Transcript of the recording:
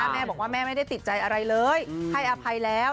แม่บอกว่าแม่ไม่ได้ติดใจอะไรเลยให้อภัยแล้ว